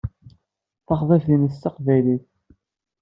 Taxḍibt-nnes d taqbaylit.